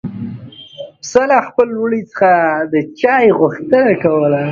پسه له خپل وړي څخه د چای غوښتنه کوله.